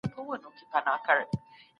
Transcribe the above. اقتصادي توازن د بازار لپاره مهم دی.